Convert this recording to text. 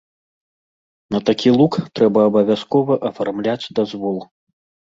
На такі лук трэба абавязкова афармляць дазвол.